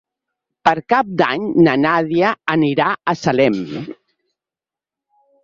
Per Cap d'Any na Nàdia anirà a Salem.